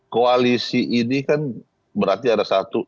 koalisi ini kan berarti ada satu